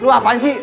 lu apaan sih